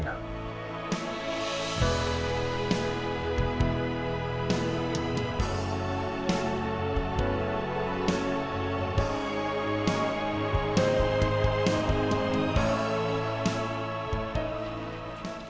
rumah untuk rina